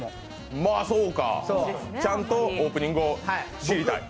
まあ、そうか、ちゃんとオープニングを仕切りたい。